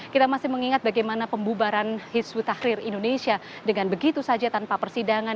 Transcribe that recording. kita masih mengingat bagaimana pembubaran hizbut tahrir indonesia dengan begitu saja tanpa persidangan